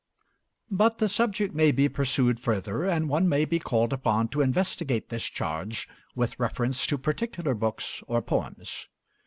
But the subject may be pursued further, and one may be called upon to investigate this charge with reference to particular books or poems.